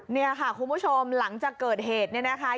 เนี่ยค่ะคุณผู้ชมหลังจากเกิดเหตุเนี่ยนะคะ